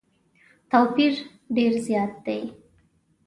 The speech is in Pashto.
توپیر ډېر زیات دی.